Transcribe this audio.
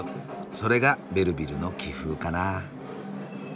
それがベルヴィルの気風かな。